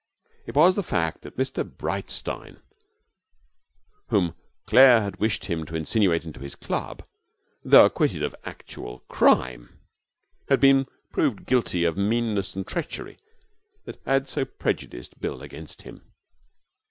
It was the fact that Mr Breitstein whom Claire had wished him to insinuate into his club, though acquitted of actual crime, had been proved guilty of meanness and treachery, that had so prejudiced Bill against him.